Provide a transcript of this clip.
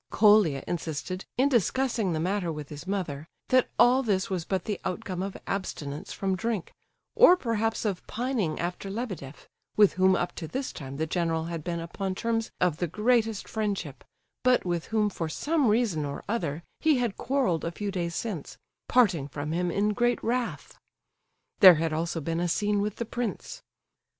Colia insisted, in discussing the matter with his mother, that all this was but the outcome of abstinence from drink, or perhaps of pining after Lebedeff, with whom up to this time the general had been upon terms of the greatest friendship; but with whom, for some reason or other, he had quarrelled a few days since, parting from him in great wrath. There had also been a scene with the prince.